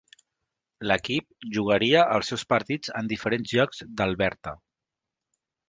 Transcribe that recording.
L'equip jugaria els seus partits en diferents llocs d'Alberta.